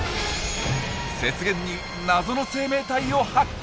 雪原に謎の生命体を発見！